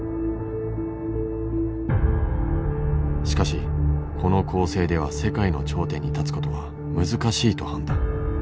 しかしこの構成では世界の頂点に立つことは難しいと判断。